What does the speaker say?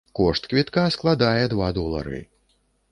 Кошт квітка складае два долары.